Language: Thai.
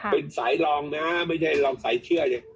เป็นสายรองนะไม่ใช่รองสายเชื่อเนี่ย